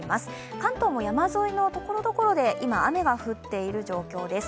関東も山沿いのところどころで今、雨が降っている状況です。